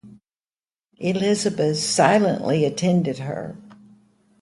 Elizabeth silently attended her.